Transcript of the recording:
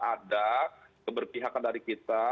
ada keberpihakan dari kita